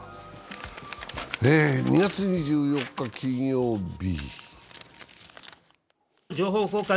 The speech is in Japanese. ２月２４日金曜日。